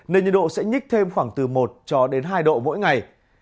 nên nhiệt độ sẽ nhích thêm khoảng từ một cho đến hai độ mỗi ngày